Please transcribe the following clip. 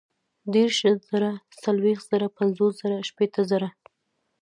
دېرش زره ، څلوېښت زره ، پنځوس زره ، شپېته زره